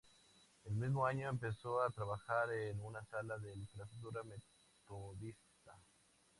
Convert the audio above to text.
El mismo año empezó a trabajar en una sala de lectura metodista.